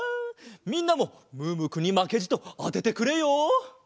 みんなもムームーくんにまけじとあててくれよ。